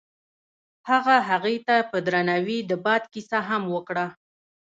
هغه هغې ته په درناوي د باد کیسه هم وکړه.